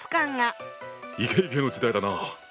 イケイケの時代だな。